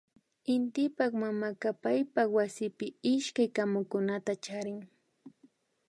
Intipak mamaka paypak wasipi ishkay kamukunata charin